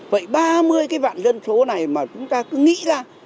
vậy ba mươi cái vạn dân số này mà chúng ta cứ nghĩ ra